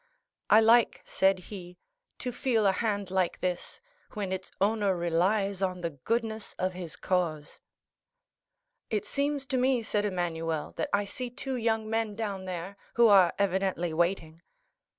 "I like," said he, "to feel a hand like this, when its owner relies on the goodness of his cause." "It seems to me," said Emmanuel, "that I see two young men down there, who are evidently, waiting."